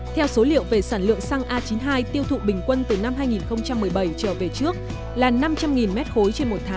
theo số liệu về sản lượng xăng a chín mươi hai tiêu thụ bình quân từ năm hai nghìn một mươi tám xăng e năm đã tăng lên hơn ba mươi trong tổng số tiêu thụ